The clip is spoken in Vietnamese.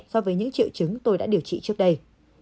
so với những triệu chứng tôi đã điều trị trước đây